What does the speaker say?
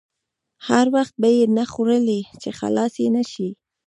هر وخت به یې نه خوړلې چې خلاصې نه شي.